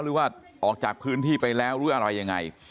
หรือว่าออกจากพื้นที่ไปแล้วหรืออะไรยังไง